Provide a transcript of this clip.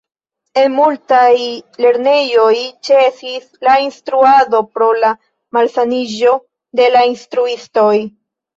En multaj lernejoj ĉesis la instruado pro la malsaniĝo de la instruistoj.